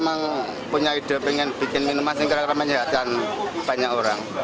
memang punya ide pengen bikin minuman singkir karena banyak orang